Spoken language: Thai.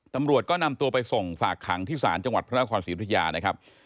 ตำรวจก็นำตัวไปส่งฝากขังที่ศาลจังหวัดพระนครศรีอุทยานะครับ